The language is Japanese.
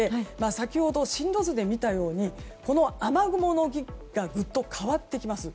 先ほど、進路図で見たようにこの雨雲の動きがぐっと変わってきます。